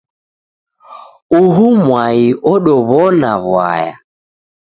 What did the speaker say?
Uhu mwai odow'ona w'aya.